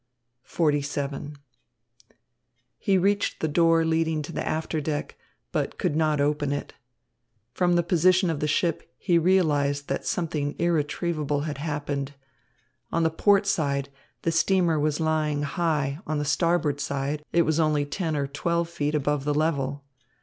XLVII He reached the door leading to the after deck, but could not open it. From the position of the ship, he realized that something irretrievable had happened. On the port side, the steamer was lying high, on the starboard side, it was only ten or twelve feet above the level.